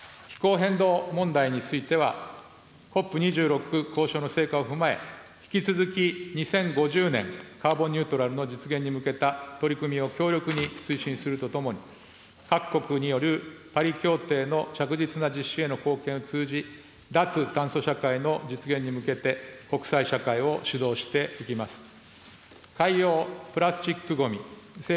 気候変動問題については、ＣＯＰ２６交渉の成果を踏まえ、引き続き２０５０年、カーボンニュートラルの実現に向けた取り組みを強力に推進するとともに、各国によるパリ協定の着実な実施への貢献を通じ、脱炭素社会への達成に向けて、国際社会を主導していきます。